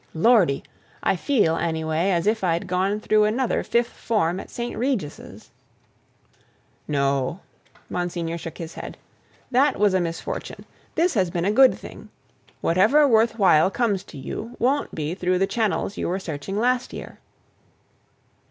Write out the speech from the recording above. "Lordy! I feel, anyway, as if I'd gone through another fifth form at St. Regis's." "No." Monsignor shook his head. "That was a misfortune; this has been a good thing. Whatever worth while comes to you, won't be through the channels you were searching last year."